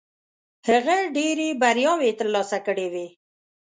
هغه ډېرې بریاوې ترلاسه کړې وې.